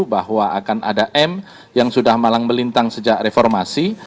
bahwa akan ada m yang sudah malang melintang sejak reformasi